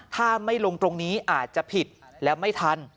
ถ้าไม่ลงตรงนี้อาจจะผิดแล้วไม่ทัน